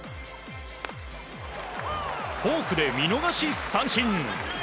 フォークで見逃し三振。